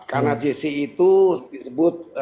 karena gc itu disebut